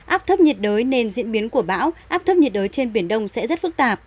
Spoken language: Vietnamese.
áp thấp nhiệt đới nên diễn biến của bão áp thấp nhiệt đới trên biển đông sẽ rất phức tạp